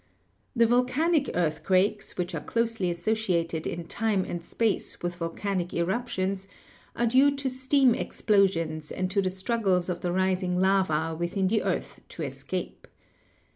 The volcanic earthquakes, which are closely associated in time and space with volcanic eruptions, are due to steam explosions and to the struggles of the rising lava within the earth to escape.